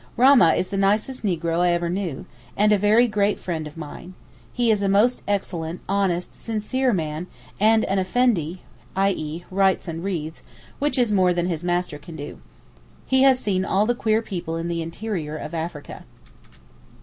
Rahmeh is the nicest negro I ever knew, and a very great friend of mine. He is a most excellent, honest, sincere man, and an Effendi (i.e. writes and reads) which is more than his master can do. He has seen all the queer people in the interior of Africa.